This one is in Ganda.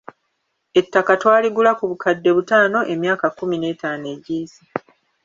Ettaka twaligula ku bukadde butaano emyaka kkumi n'etaano egiyise.